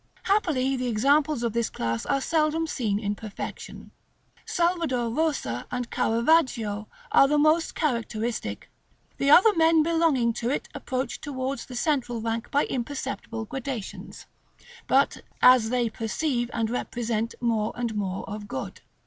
Happily the examples of this class are seldom seen in perfection. Salvator Rosa and Caravaggio are the most characteristic: the other men belonging to it approach towards the central rank by imperceptible gradations, as they perceive and represent more and more of good.